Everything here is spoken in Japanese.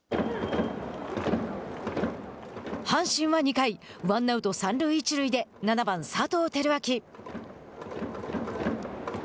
阪神は２回ワンアウト、三塁一塁で７番、佐藤輝明。